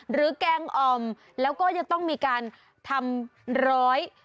แกงอ่อมแล้วก็จะต้องมีการทำร้อย